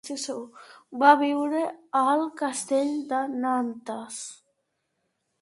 Va viure al castell de Nantes.